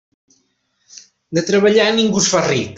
De treballar, ningú es fa ric.